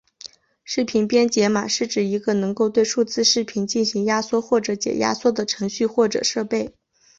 视频编解码器是指一个能够对数字视频进行压缩或者解压缩的程序或者设备。